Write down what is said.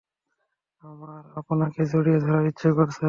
আমার আপনাকে জড়িয়ে ধরার ইচ্ছা করছে।